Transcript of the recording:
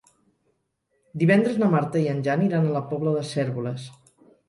Divendres na Marta i en Jan iran a la Pobla de Cérvoles.